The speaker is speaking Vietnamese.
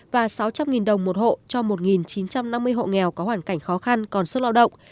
và sáu trăm linh đồng một hộ cho một chín trăm năm mươi hộ nghèo có hoàn cảnh khó khăn còn sức lao động